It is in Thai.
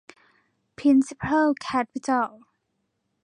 พริ้นซิเพิล แคปิตอล